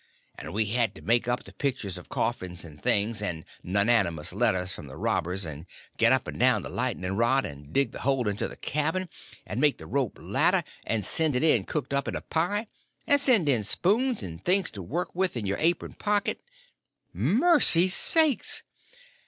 And we had to make up the pictures of coffins and things, and nonnamous letters from the robbers, and get up and down the lightning rod, and dig the hole into the cabin, and made the rope ladder and send it in cooked up in a pie, and send in spoons and things to work with in your apron pocket—" "Mercy sakes!"